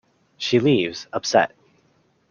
She leaves, upset.